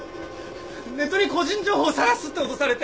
ネットに個人情報さらすって脅されて。